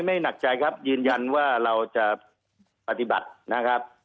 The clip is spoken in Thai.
ไม่หนักใจครับยืนยันว่าเราจะปฏิบัตินะครับ